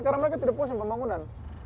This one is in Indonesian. karena mereka tidak puas untuk membangun